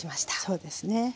そうですね。